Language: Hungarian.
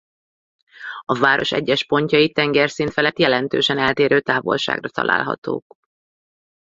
A város egyes pontjai tengerszint felett jelentősen eltérő távolságra találhatók.